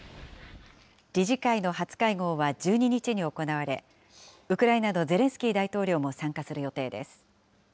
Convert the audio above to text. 理事会の初会合は１２日に行われ、ウクライナのゼレンスキー大統領も参加する予定です。